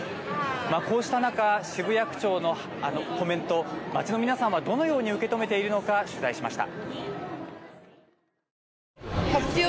こうした中、渋谷区長のコメント、街の皆さんはどのように受け止めているのか取材しました。